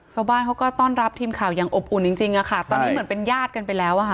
ชาวบ้านเขาก็ต้อนรับทีมข่าวอย่างอบอุ่นจริงจริงอะค่ะตอนนี้เหมือนเป็นญาติกันไปแล้วอ่ะค่ะ